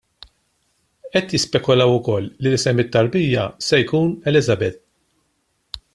Qed jispekulaw ukoll li isem it-tarbija se jkun Elizabeth.